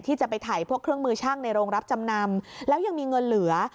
ที่จะไปถ่ายพวกเครื่องมือช่างในโรงรับจำนำแล้วยังมีเงินเหลือ